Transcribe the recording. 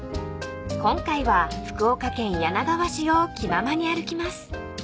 ［今回は福岡県柳川市を気ままに歩きます］